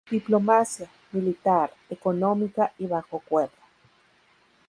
Diplomacia, militar, económica, y bajo cuerda.